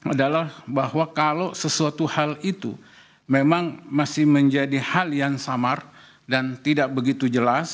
adalah bahwa kalau sesuatu hal itu memang masih menjadi hal yang samar dan tidak begitu jelas